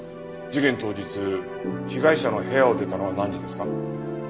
事件当日被害者の部屋を出たのは何時ですか？